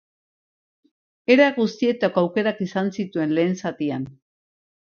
Era guztietako aukerak izan zituen lehen zatian.